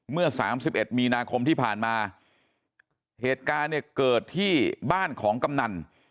เมื่อสามสิบเอ็ดมีนาคมที่ผ่านมาเหตุการณ์เนี่ยเกิดที่บ้านของกำนัน